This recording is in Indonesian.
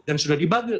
dan sudah dibagi